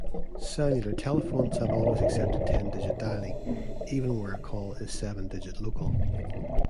Cellular telephones have always accepted ten-digit dialing, even where a call is seven-digit local.